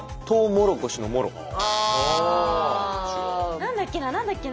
何だっけな？